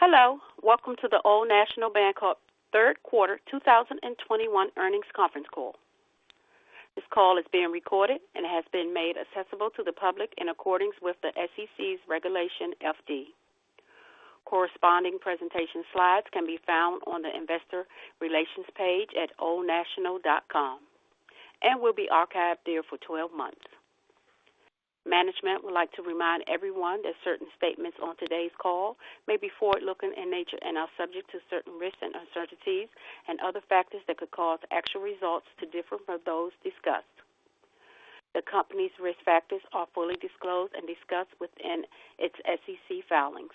Hello, welcome to the Old National Bancorp third quarter 2021 earnings conference call. This call is being recorded and has been made accessible to the public in accordance with the SEC's Regulation FD. Corresponding presentation slides can be found on the investor relations page at oldnational.com and will be archived there for 12 months. Management would like to remind everyone that certain statements on today's call may be forward-looking in nature and are subject to certain risks and uncertainties and other factors that could cause actual results to differ from those discussed. The company's risk factors are fully disclosed and discussed within its SEC filings.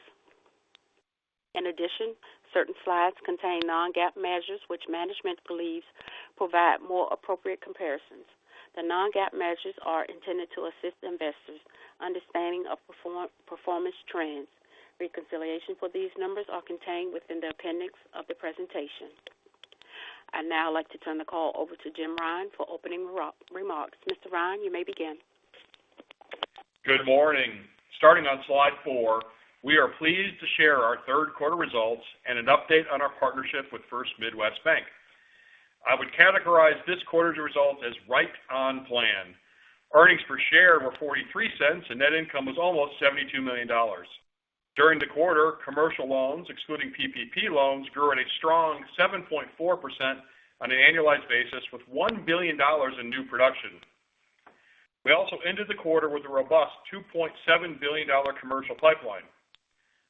Certain slides contain non-GAAP measures which management believes provide more appropriate comparisons. The non-GAAP measures are intended to assist investors' understanding of performance trends. Reconciliation for these numbers are contained within the appendix of the presentation. I'd now like to turn the call over to Jim Ryan for opening remarks. Mr. Ryan, you may begin. Good morning. Starting on slide 4, we are pleased to share our third quarter results and an update on our partnership with First Midwest Bank. I would categorize this quarter's result as right on plan. Earnings per share were $0.43 and net income was almost $72 million. During the quarter, commercial loans, excluding PPP loans, grew at a strong 7.4% on an annualized basis with $1 billion in new production. We also ended the quarter with a robust $2.7 billion commercial pipeline.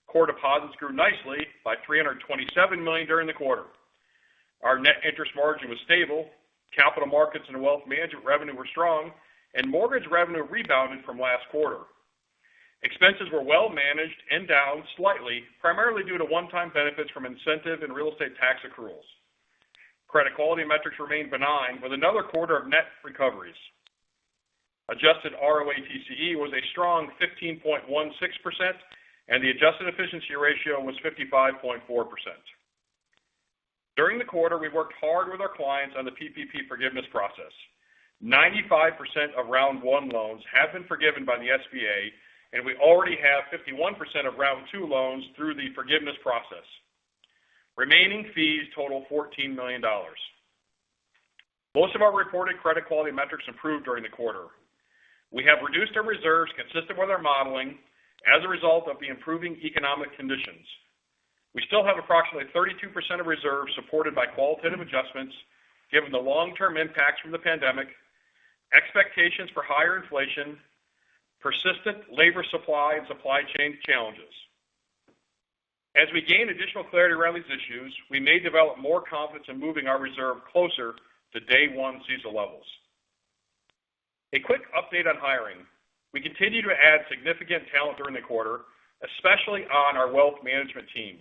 Core deposits grew nicely by $327 million during the quarter. Our net interest margin was stable, capital markets and wealth management revenue were strong, and mortgage revenue rebounded from last quarter. Expenses were well managed and down slightly, primarily due to one-time benefits from incentive and real estate tax accruals. Credit quality metrics remained benign with another quarter of net recoveries. Adjusted ROATCE was a strong 15.16%, the adjusted efficiency ratio was 55.4%. During the quarter, we worked hard with our clients on the PPP forgiveness process. 95% of round one loans have been forgiven by the SBA, we already have 51% of round two loans through the forgiveness process. Remaining fees total $14 million. Most of our reported credit quality metrics improved during the quarter. We have reduced our reserves consistent with our modeling as a result of the improving economic conditions. We still have approximately 32% of reserves supported by qualitative adjustments, given the long-term impacts from the pandemic, expectations for higher inflation, persistent labor supply and supply chain challenges. As we gain additional clarity around these issues, we may develop more confidence in moving our reserve closer to day one CECL levels. A quick update on hiring. We continued to add significant talent during the quarter, especially on our wealth management team.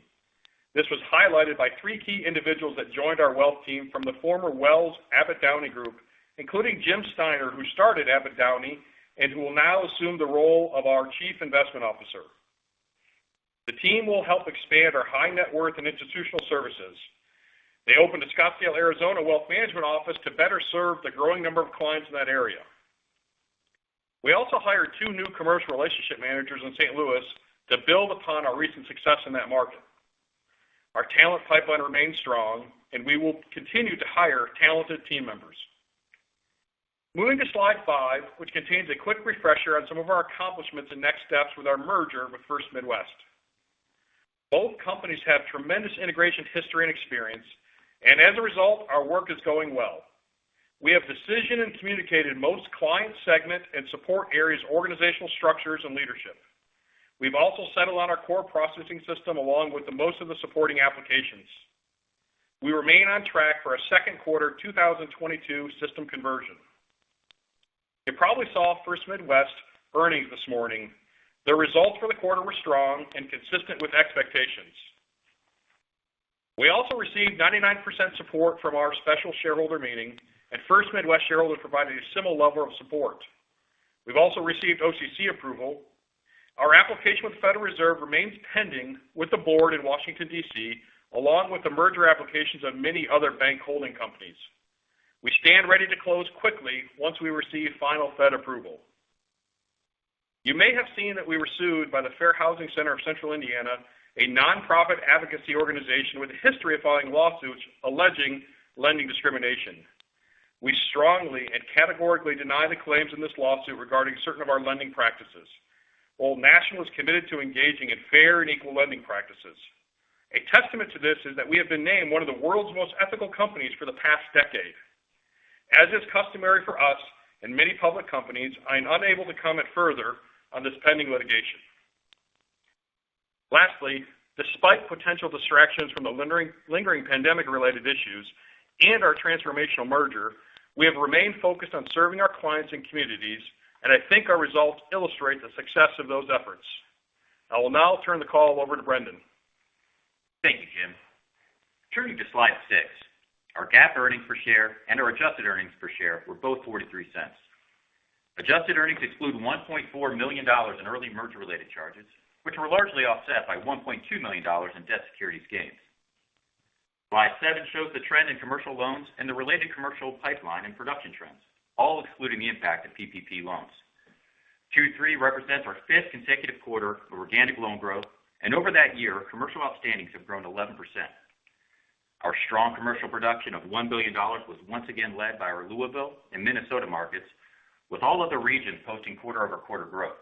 This was highlighted by three key individuals that joined our wealth team from the former Wells Abbott Downing Group, including Jim Steiner, who started Abbott Downing, and who will now assume the role of our Chief Investment Officer. The team will help expand our high net worth and institutional services. They opened a Scottsdale, Arizona wealth management office to better serve the growing number of clients in that area. We also hired two new commercial relationship managers in St. Louis to build upon our recent success in that market. Our talent pipeline remains strong. We will continue to hire talented team members. Moving to slide 5, which contains a quick refresher on some of our accomplishments and next steps with our merger with First Midwest. Both companies have tremendous integration history and experience, and as a result, our work is going well. We have decided and communicated most client segment and support areas organizational structures and leadership. We've also settled on our core processing system along with the most of the supporting applications. We remain on track for a second quarter 2022 system conversion. You probably saw First Midwest earnings this morning. The results for the quarter were strong and consistent with expectations. We also received 99% support from our special shareholder meeting, First Midwest shareholders provided a similar level of support. We've also received OCC approval. Our application with the Federal Reserve remains pending with the board in Washington, D.C., along with the merger applications of many other bank holding companies. We stand ready to close quickly once we receive final Fed approval. You may have seen that we were sued by the Fair Housing Center of Central Indiana, a nonprofit advocacy organization with a history of filing lawsuits alleging lending discrimination. We strongly and categorically deny the claims in this lawsuit regarding certain of our lending practices. Old National is committed to engaging in fair and equal lending practices. A testament to this is that we have been named one of the world's most ethical companies for the past decade. As is customary for us and many public companies, I am unable to comment further on this pending litigation. Lastly, despite potential distractions from the lingering pandemic-related issues and our transformational merger, we have remained focused on serving our clients and communities, and I think our results illustrate the success of those efforts. I will now turn the call over to Brendon. Thank you, Jim. Turning to slide 6. Our GAAP earnings per share and our adjusted earnings per share were both $0.43. Adjusted earnings exclude $1.4 million in early merger-related charges, which were largely offset by $1.2 million in debt securities gains. Slide 7 shows the trend in commercial loans and the related commercial pipeline and production trends, all excluding the impact of PPP loans. Q3 represents our fifth consecutive quarter of organic loan growth, and over that year, commercial outstandings have grown 11%. Our strong commercial production of $1 billion was once again led by our Louisville and Minnesota markets, with all other regions posting quarter-over-quarter growth.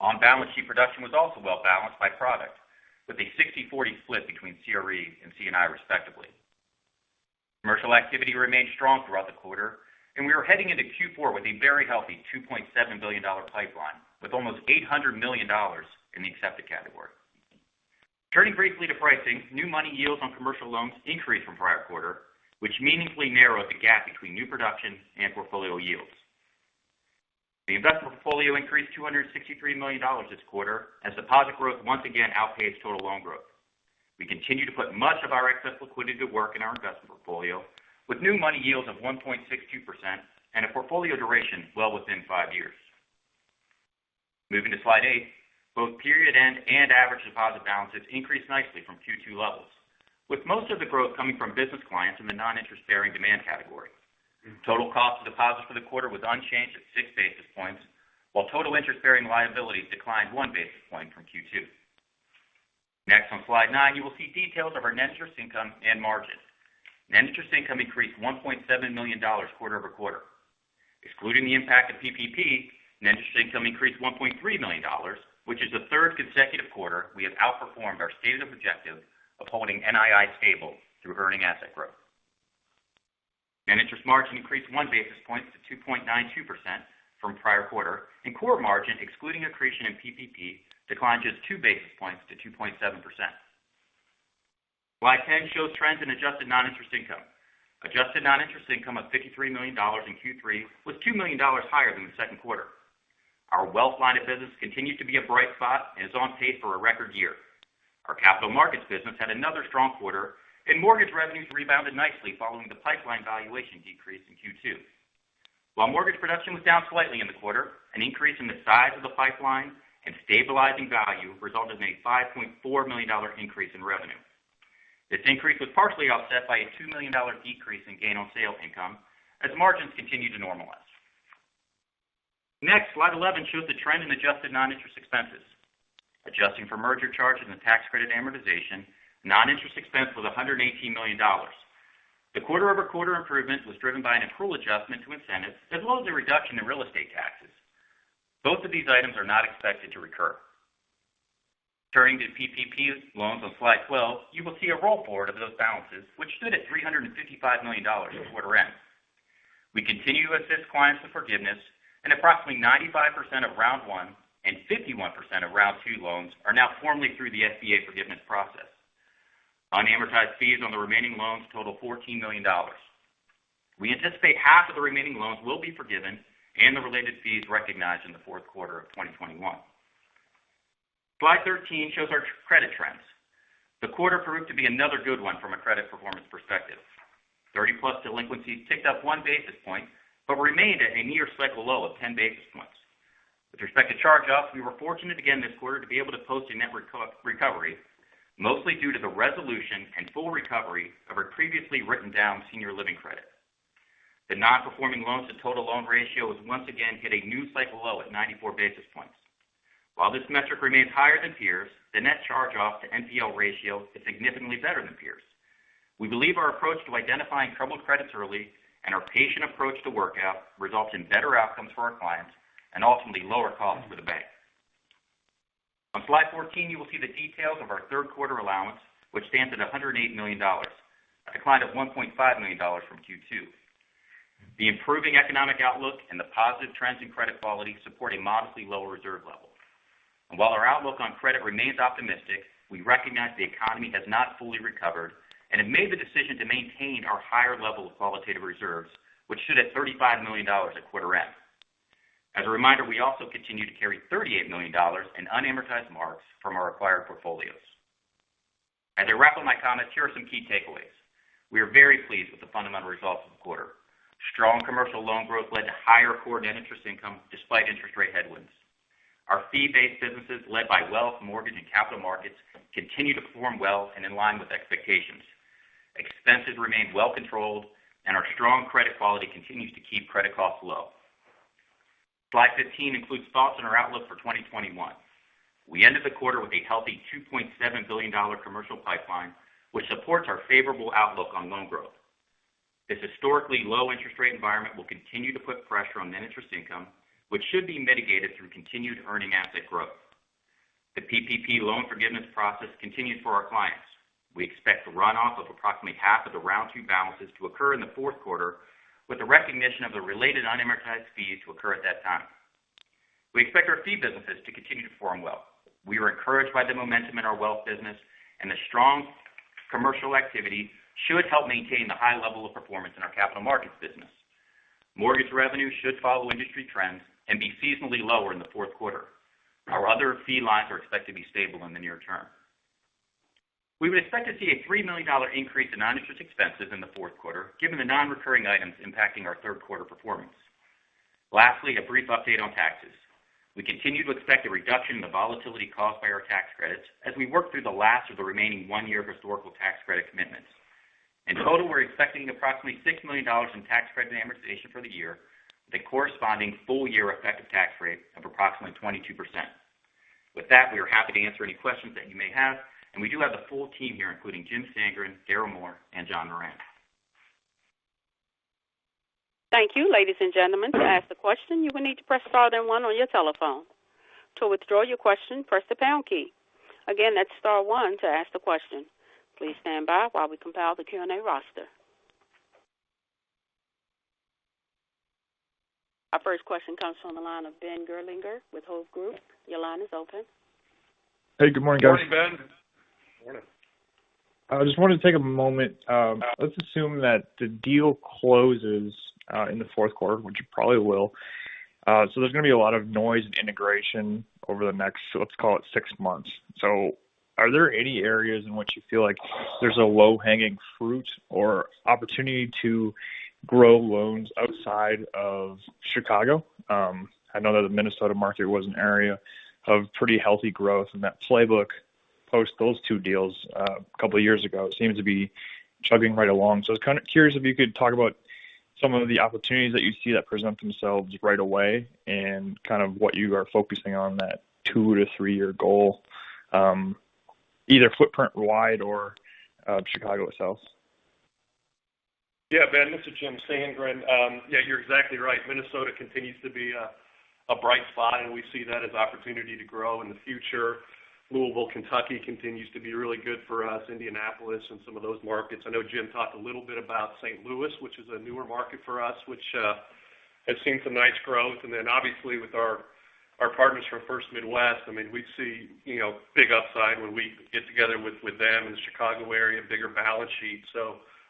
On-balance, sheet production was also well-balanced by product, with a 60/40 split between CRE and C&I respectively. Commercial activity remained strong throughout the quarter. We are heading into Q4 with a very healthy $2.7 billion pipeline, with almost $800 million in the accepted category. Turning briefly to pricing, new money yields on commercial loans increased from prior quarter, which meaningfully narrowed the gap between new production and portfolio yields. The investment portfolio increased $263 million this quarter as deposit growth once again outpaced total loan growth. We continue to put much of our excess liquidity to work in our investment portfolio with new money yields of 1.62% and a portfolio duration well within 5 years. Moving to slide 8, both period end and average deposit balances increased nicely from Q2 levels, with most of the growth coming from business clients in the non-interest bearing demand category. Total cost of deposits for the quarter was unchanged at six basis points, while total interest-bearing liabilities declined one basis point from Q2. Next, on slide nine, you will see details of our net interest income and margins. Net interest income increased $1.7 million quarter-over-quarter. Excluding the impact of PPP, net interest income increased $1.3 million, which is the third consecutive quarter we have outperformed our stated objective of holding NII stable through earning asset growth. Net interest margin increased one basis point to 2.92% from prior quarter, and core margin, excluding accretion and PPP, declined just two basis points to 2.7%. Slide 10 shows trends in adjusted non-interest income. Adjusted non-interest income of $53 million in Q3 was $2 million higher than the second quarter. Our wealth line of business continues to be a bright spot and is on pace for a record year. Our capital markets business had another strong quarter, and mortgage revenues rebounded nicely following the pipeline valuation decrease in Q2. While mortgage production was down slightly in the quarter, an increase in the size of the pipeline and stabilizing value resulted in a $5.4 million increase in revenue. This increase was partially offset by a $2 million decrease in gain on sale income as margins continue to normalize. Slide 11 shows the trend in adjusted non-interest expenses. Adjusting for merger charges and tax credit amortization, non-interest expense was $118 million. The quarter-over-quarter improvement was driven by an accrual adjustment to incentives, as well as a reduction in real estate taxes. Both of these items are not expected to recur. Turning to PPP loans on slide 12, you will see a rollforward of those balances, which stood at $355 million at quarter end. We continue to assist clients with forgiveness. Approximately 95% of round one and 51% of round two loans are now formally through the SBA forgiveness process. Unamortized fees on the remaining loans total $14 million. We anticipate half of the remaining loans will be forgiven and the related fees recognized in the fourth quarter of 2021. Slide 13 shows our credit trends. The quarter proved to be another good one from a credit performance perspective. 30-plus delinquencies ticked up one basis point, but remained at a near cycle low of 10 basis points. With respect to charge-offs, we were fortunate again this quarter to be able to post a net recovery, mostly due to the resolution and full recovery of our previously written-down senior living credit. The non-performing loans to total loan ratio has once again hit a new cycle low at 94 basis points. While this metric remains higher than peers, the net charge-off to NPL ratio is significantly better than peers. We believe our approach to identifying troubled credits early and our patient approach to workout results in better outcomes for our clients and ultimately lower costs for the bank. On slide 14, you will see the details of our third quarter allowance, which stands at $108 million, a decline of $1.5 million from Q2. The improving economic outlook and the positive trends in credit quality support a modestly lower reserve level. While our outlook on credit remains optimistic, we recognize the economy has not fully recovered and have made the decision to maintain our higher level of qualitative reserves, which stood at $35 million at quarter end. As a reminder, we also continue to carry $38 million in unamortized marks from our acquired portfolios. As a wrap on my comments, here are some key takeaways. We are very pleased with the fundamental results of the quarter. Strong commercial loan growth led to higher core net interest income despite interest rate headwinds. Our fee-based businesses, led by wealth, mortgage, and capital markets, continue to perform well and in line with expectations. Expenses remain well controlled, and our strong credit quality continues to keep credit costs low. Slide 15 includes thoughts on our outlook for 2021. We ended the quarter with a healthy $2.7 billion commercial pipeline, which supports our favorable outlook on loan growth. This historically low interest rate environment will continue to put pressure on net interest income, which should be mitigated through continued earning asset growth. The PPP loan forgiveness process continues for our clients. We expect the runoff of approximately half of the Round 2 balances to occur in the fourth quarter with the recognition of the related unamortized fees to occur at that time. We expect our fee businesses to continue to perform well. We are encouraged by the momentum in our wealth business, and the strong commercial activity should help maintain the high level of performance in our capital markets business. Mortgage revenues should follow industry trends and be seasonally lower in the fourth quarter. Our other fee lines are expected to be stable in the near term. We would expect to see a $3 million increase in non-interest expenses in the fourth quarter, given the non-recurring items impacting our third quarter performance. Lastly, a brief update on taxes. We continue to expect a reduction in the volatility caused by our tax credits as we work through the last of the remaining one year of historical tax credit commitments. In total, we're expecting approximately $6 million in tax credit amortization for the year with a corresponding full year effective tax rate of approximately 22%. With that, we are happy to answer any questions that you may have, and we do have the full team here, including Jim Sandgren, Daryl Moore, and John Moran. Thank you. Ladies and gentlemen, to ask the question, you will need to press star then one on your telephone. To withdraw your question, press the pound key. Again, that's star one to ask the question. Please stand by while we compile the Q&A roster. Our first question comes from the line of Ben Gerlinger with Hovde Group. Your line is open. Hey, good morning, guys. Morning, Ben. Morning. I just wanted to take a moment. Let's assume that the deal closes in the fourth quarter, which it probably will. There's going to be a lot of noise and integration over the next, let's call it 6 months. Are there any areas in which you feel like there's a low-hanging fruit or opportunity to grow loans outside of Chicago? I know that the Minnesota market was an area of pretty healthy growth, and that playbook post those two deals a couple of years ago seems to be chugging right along. I was kind of curious if you could talk about some of the opportunities that you see that present themselves right away and kind of what you are focusing on that 2-3 year goal, either footprint wide or Chicago itself. Ben, this is Jim Sandgren. You're exactly right. Minnesota continues to be a bright spot, we see that as opportunity to grow in the future. Louisville, Kentucky continues to be really good for us, Indianapolis, some of those markets. I know Jim talked a little bit about St. Louis, which is a newer market for us, which has seen some nice growth. Obviously with our partners from First Midwest, we see big upside when we get together with them in the Chicago area, bigger balance sheet.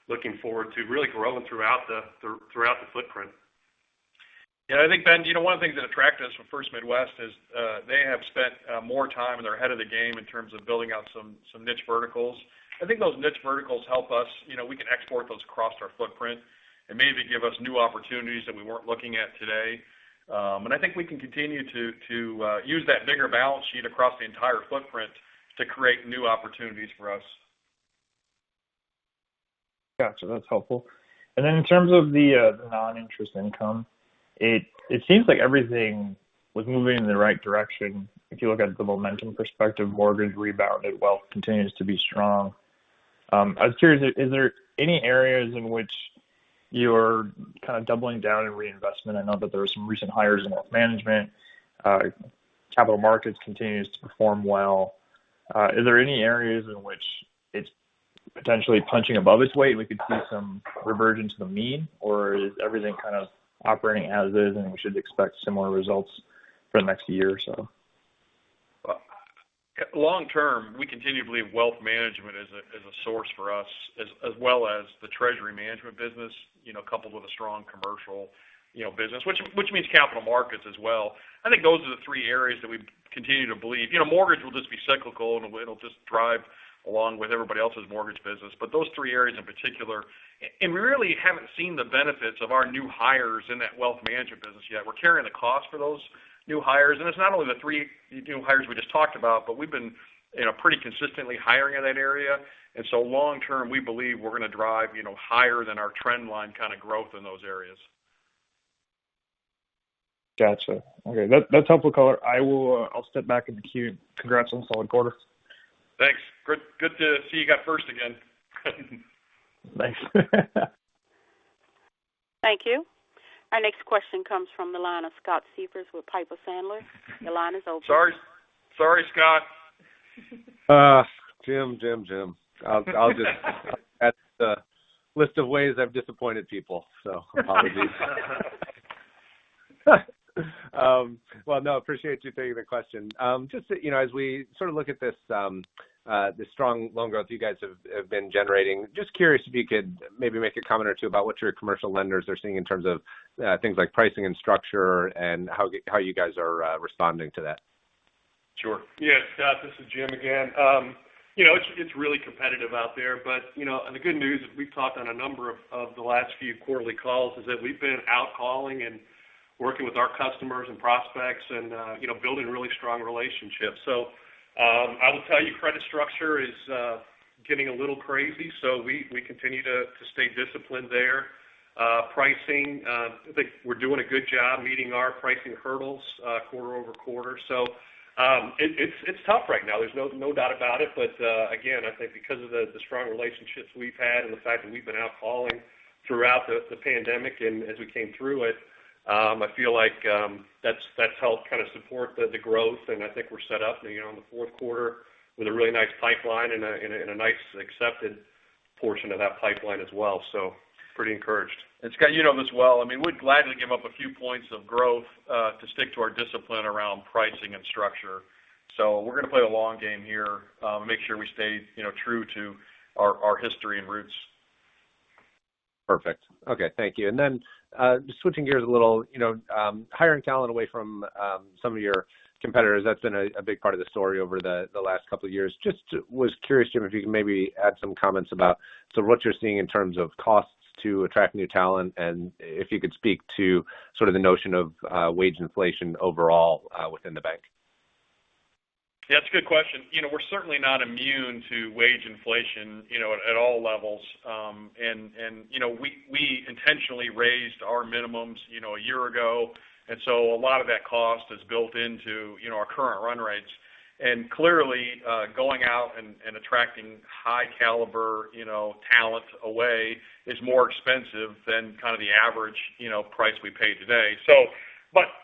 Looking forward to really growing throughout the footprint. Yeah. I think, Ben, one of the things that attracted us from First Midwest is they have spent more time and they're ahead of the game in terms of building out some niche verticals. I think those niche verticals help us. We can export those across our footprint and maybe give us new opportunities that we weren't looking at today. I think we can continue to use that bigger balance sheet across the entire footprint to create new opportunities for us. Got you. That's helpful. In terms of the non-interest income, it seems like everything was moving in the right direction. If you look at the momentum perspective, mortgage rebounded well, continues to be strong. I was curious, is there any areas in which you're kind of doubling down in reinvestment? I know that there were some recent hires in wealth management. Capital markets continues to perform well. Is there any areas in which it's potentially punching above its weight? We could see some reversion to the mean, or is everything kind of operating as is, and we should expect similar results for the next 1 year or so? Long term, we continue to believe wealth management is a source for us as well as the treasury management business coupled with a strong commercial business, which means capital markets as well. I think those are the three areas that we continue to believe. Mortgage will just be cyclical, and it'll just drive along with everybody else's mortgage business. Those three areas in particular. We really haven't seen the benefits of our new hires in that wealth management business yet. We're carrying the cost for those new hires. It's not only the three new hires we just talked about, but we've been pretty consistently hiring in that area. Long term, we believe we're going to drive higher than our trend line kind of growth in those areas. Got you. Okay. That's helpful color. I'll step back in the queue. Congrats on the solid quarter. Thanks. Good to see you got first again. Thanks. Thank you. Our next question comes from the line of Scott Siefers with Piper Sandler. Your line is open. Sorry, Scott. Jim. I'll just add to the list of ways I've disappointed people. Apologies. Well, no, I appreciate you taking the question. Just as we sort of look at this strong loan growth you guys have been generating, just curious if you could maybe make a comment or two about what your commercial lenders are seeing in terms of things like pricing and structure and how you guys are responding to that. Sure. Yeah, Scott, this is Jim again. It's really competitive out there. The good news is we've talked on a number of the last few quarterly calls is that we've been out calling and working with our customers and prospects and building really strong relationships. I will tell you credit structure is getting a little crazy, so we continue to stay disciplined there. Pricing, I think we're doing a good job meeting our pricing hurdles quarter-over-quarter. It's tough right now, there's no doubt about it. Again, I think because of the strong relationships we've had and the fact that we've been out calling throughout the pandemic and as we came through it, I feel like that's helped kind of support the growth. I think we're set up in the fourth quarter with a really nice pipeline and a nice accepted portion of that pipeline as well. Pretty encouraged. Scott, you know this well. We'd gladly give up a few points of growth to stick to our discipline around pricing and structure. We're going to play the long game here, make sure we stay true to our history and roots. Perfect. Okay. Thank you. Just switching gears a little, hiring talent away from some of your competitors, that's been a big part of the story over the last couple of years. Just was curious, Jim, if you could maybe add some comments about sort of what you're seeing in terms of costs to attract new talent, and if you could speak to sort of the notion of wage inflation overall within the bank. That's a good question. We're certainly not immune to wage inflation at all levels. We intentionally raised our minimums one year ago, and so a lot of that cost is built into our current run rates. Clearly, going out and attracting high caliber talent away is more expensive than kind of the average price we pay today.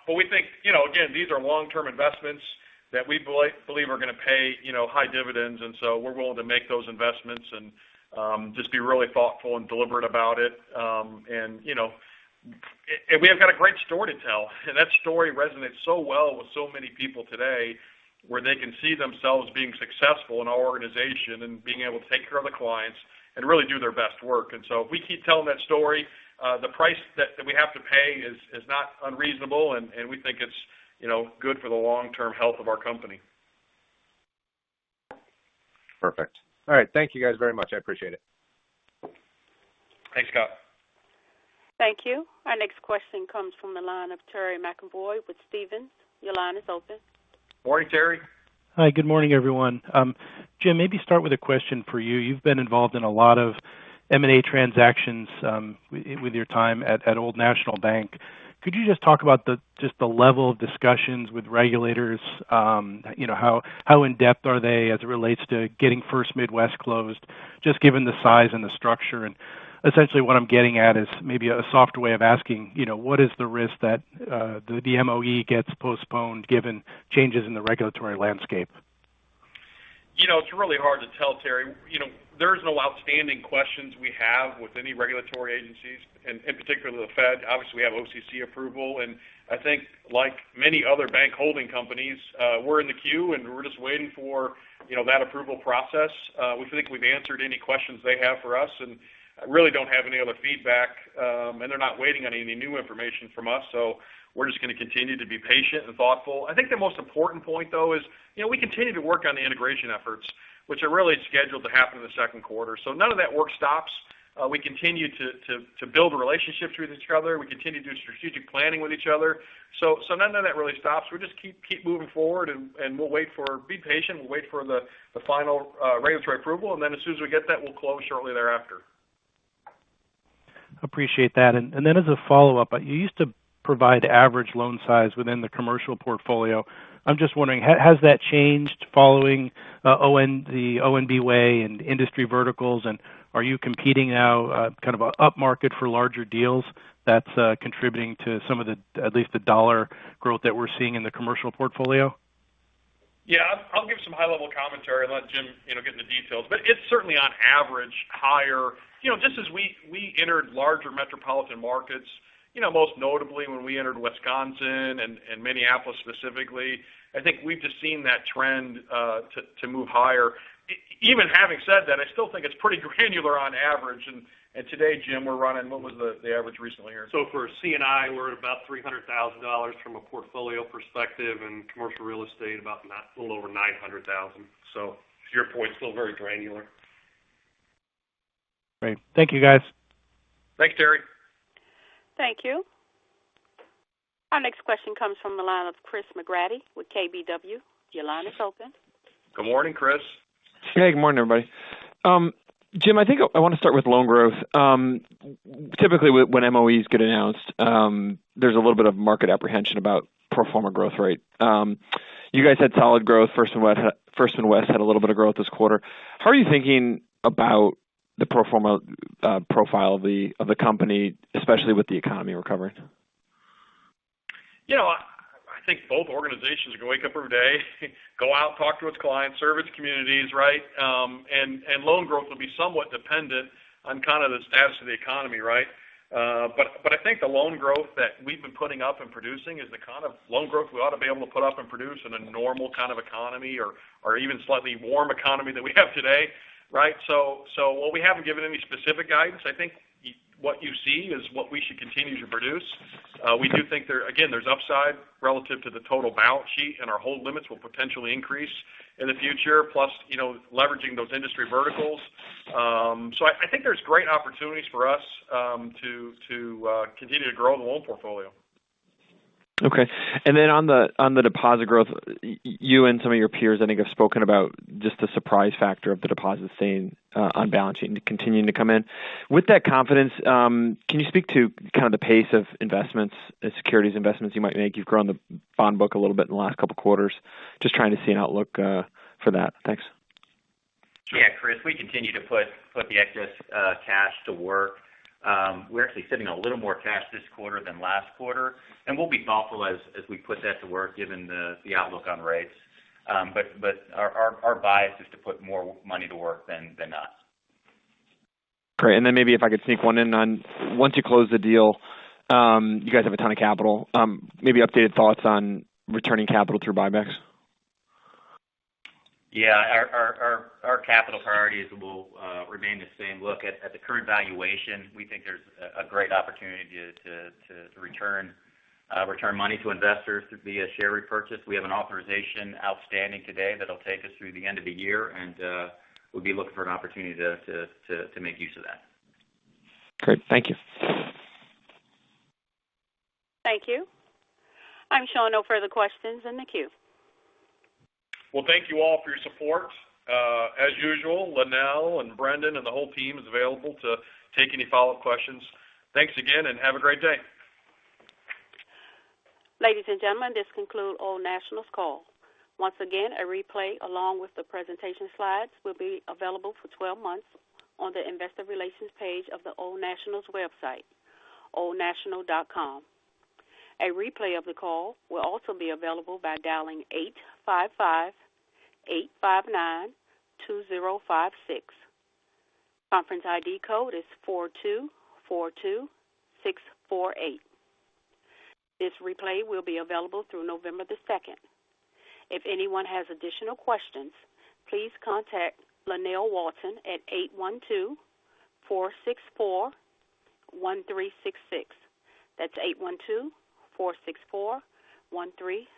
We think, again, these are long-term investments that we believe are going to pay high dividends, and so we're willing to make those investments and just be really thoughtful and deliberate about it. We have got a great story to tell, and that story resonates so well with so many people today, where they can see themselves being successful in our organization and being able to take care of the clients and really do their best work. If we keep telling that story, the price that we have to pay is not unreasonable, and we think it's good for the long-term health of our company. Perfect. All right. Thank you guys very much. I appreciate it. Thanks, Scott. Thank you. Our next question comes from the line of Terry McEvoy with Stephens. Your line is open. Morning, Terry. Hi. Good morning, everyone. Jim, maybe start with a question for you. You've been involved in a lot of M&A transactions with your time at Old National Bank. Could you just talk about the level of discussions with regulators? How in-depth are they as it relates to getting First Midwest closed, just given the size and the structure? Essentially, what I'm getting at is maybe a soft way of asking, what is the risk that the MOE gets postponed given changes in the regulatory landscape? It's really hard to tell, Terry. There's no outstanding questions we have with any regulatory agencies and in particular, the Fed. Obviously, we have OCC approval, and I think like many other bank holding companies, we're in the queue, and we're just waiting for that approval process. We think we've answered any questions they have for us and really don't have any other feedback. They're not waiting on any new information from us, so we're just going to continue to be patient and thoughtful. I think the most important point, though, is we continue to work on the integration efforts, which are really scheduled to happen in the second quarter. None of that work stops. We continue to build relationships with each other. We continue to do strategic planning with each other. None of that really stops. We just keep moving forward and we'll be patient. We'll wait for the final regulatory approval, and then as soon as we get that, we'll close shortly thereafter. Appreciate that. Then as a follow-up, you used to provide average loan size within the commercial portfolio. I'm just wondering, has that changed following the ONB way and industry verticals, and are you competing now kind of upmarket for larger deals that's contributing to some of at least the dollar growth that we're seeing in the commercial portfolio? I'll give some high-level commentary and let Jim get in the details. It's certainly on average higher. Just as we entered larger metropolitan markets, most notably when we entered Wisconsin and Minneapolis specifically, I think we've just seen that trend to move higher. Even having said that, I still think it's pretty granular on average. Today, Jim, we're running, what was the average recently here? For C&I, we're at about $300,000 from a portfolio perspective, and commercial real estate, about a little over $900,000. To your point, still very granular. Great. Thank you guys. Thanks, Terry. Thank you. Our next question comes from the line of Chris McGratty with KBW. Your line is open. Good morning, Chris. Hey, good morning, everybody. Jim, I think I want to start with loan growth. Typically, when MOEs get announced, there's a little bit of market apprehension about pro forma growth rate. You guys had solid growth. First Midwest had a little bit of growth this quarter. How are you thinking about the pro forma profile of the company, especially with the economy recovering? I think both organizations are going to wake up every day, go out, talk to its clients, serve its communities, right? Loan growth will be somewhat dependent on kind of the status of the economy, right? I think the loan growth that we've been putting up and producing is the kind of loan growth we ought to be able to put up and produce in a normal kind of economy or even slightly warm economy that we have today, right? While we haven't given any specific guidance, I think what you see is what we should continue to produce. We do think there, again, there's upside relative to the total balance sheet, and our hold limits will potentially increase in the future. Plus, leveraging those industry verticals. I think there's great opportunities for us to continue to grow the loan portfolio. Okay. On the deposit growth, you and some of your peers, I think, have spoken about just the surprise factor of the deposits staying on balance sheet and continuing to come in. With that confidence, can you speak to kind of the pace of securities investments you might make? You've grown the bond book a little bit in the last 2 quarters. Just trying to see an outlook for that. Thanks. Yeah, Chris. We continue to put the excess cash to work. We're actually sitting on a little more cash this quarter than last quarter, and we'll be thoughtful as we put that to work given the outlook on rates. Our bias is to put more money to work than not. Great. Maybe if I could sneak one in on once you close the deal, you guys have a ton of capital. Maybe updated thoughts on returning capital through buybacks? Our capital priorities will remain the same. At the current valuation, we think there's a great opportunity to return money to investors via share repurchase. We have an authorization outstanding today that'll take us through the end of the year, and we'll be looking for an opportunity to make use of that. Great. Thank you. Thank you. I'm showing no further questions in the queue. Well, thank you all for your support. As usual, Lynell and Brendan and the whole team is available to take any follow-up questions. Thanks again and have a great day. Ladies and gentlemen, this concludes Old National's call. Once again, a replay along with the presentation slides will be available for 12 months on the investor relations page of the Old National's website, oldnational.com. A replay of the call will also be available by dialing 855-859-2056. Conference ID code is 4242648. This replay will be available through November the 2nd. If anyone has additional questions, please contact Lynell Walton at 812-464-1366. That's 812-464-1366.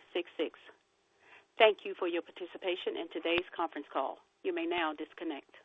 Thank you for your participation in today's conference call. You may now disconnect.